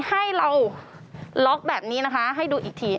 ให้เราล็อกแบบนี้นะคะให้ดูอีกที